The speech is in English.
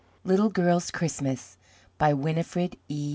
LITTLE GIRL'S CHRISTMAS WINNIFRED E.